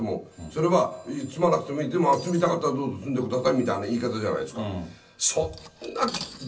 それは積まなくてもいい、でも積みたかったらどうぞ、積んでくださいみたいな言い方じゃないですか。